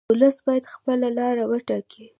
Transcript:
ولس باید خپله لار وټاکي.